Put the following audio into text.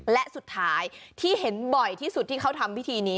และสุดท้ายที่เห็นบ่อยที่สุดที่เขาทำพิธีนี้